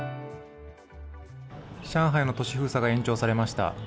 上海の都市封鎖が延長されました。